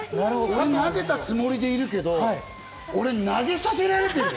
俺、投げたつもりでいるけど、俺、投げさせられてる！